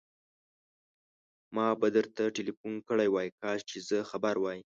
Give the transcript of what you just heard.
ما به درته ټليفون کړی وای، کاش چې زه خبر وای.